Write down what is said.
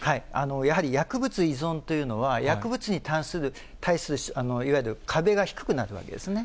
やはり薬物依存というのは、薬物に対するいわゆる壁が低くなるわけですね。